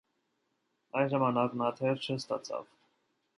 Այդ ժամանակ նա դեր չստացավ։